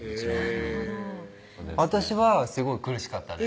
へぇ私はすごい苦しかったです